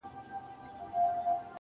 ستا د سونډو د خندا په خاليگاه كـي~